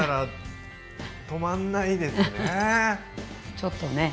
ちょっとね